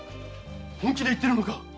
本気で言ってるのか⁉〕